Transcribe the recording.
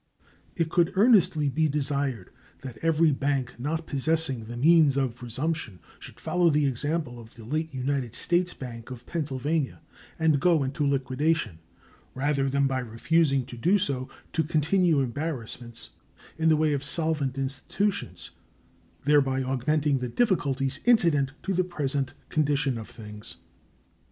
It could earnestly be desired that every bank not possessing the means of resumption should follow the example of the late United States Bank of Pennsylvania and go into liquidation rather than by refusing to do so to continue embarrassments in the way of solvent institutions, thereby augmenting the difficulties incident to the present condition of things.